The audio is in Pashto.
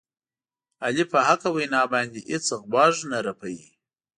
علي په حقه وینا باندې هېڅ غوږ نه رپوي.